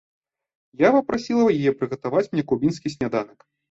Я папрасіла яе прыгатаваць мне кубінскі сняданак.